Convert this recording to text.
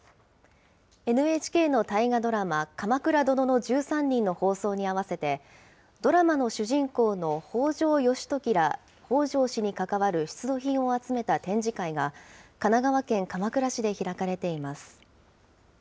ＮＨＫの大河ドラマ、鎌倉殿の１３人の放送に合わせて、ドラマの主人公の北条義時ら北条氏に関わる出土品を集めた展示会が、神奈川県鎌倉市で開かれています。